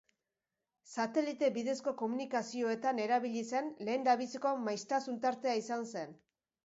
Satelite bidezko komunikazioetan erabili zen lehendabiziko maiztasun tartea izan zen.